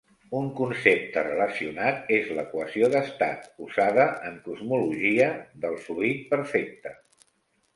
Un concepte relacionat és l'equació d'estat, usada en cosmologia, del fluid perfecte.